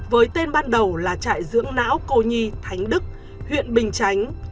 với tên ban đầu là trại dưỡng não cô nhi thánh đức huyện bình chánh